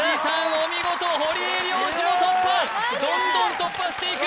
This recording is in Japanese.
お見事堀江亮次も突破どんどん突破していく！